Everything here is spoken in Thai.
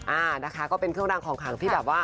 อ่านะคะก็เป็นเครื่องรางของขังที่แบบว่า